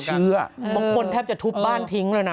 ก็เชื่อมันคนค่อนข้างจะทุบบ้านทิ้งเลยนะ